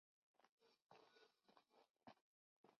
Pero la siniestra pareja los atrapa e intenta matarlos.